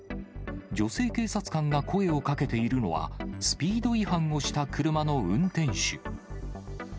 女性警察官が声をかけているのは、スピード違反をした車の運転手。